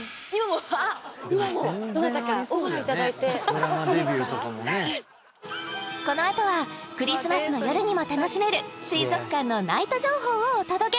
あっ今もこのあとはクリスマスの夜にも楽しめる水族館のナイト情報をお届け